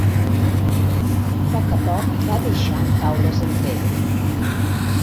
Poc a poc va deixant taules enrere.